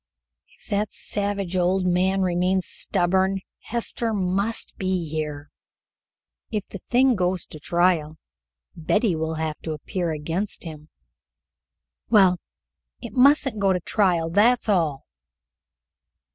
"If that savage old man remains stubborn, Hester must be here." "If the thing goes to a trial, Betty will have to appear against him." "Well, it mustn't go to a trial, that's all."